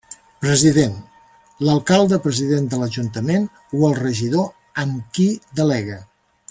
President: l'alcalde-president de l'Ajuntament o el regidor em qui delegue.